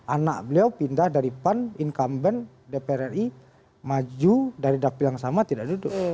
anak beliau pindah dari pan incumbent dpr ri maju dari dapil yang sama tidak duduk